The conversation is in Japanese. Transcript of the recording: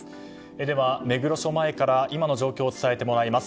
では、目黒署前から今の状況を伝えてもらいます。